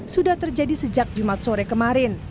sudah terjadi sejak jumat sore kemarin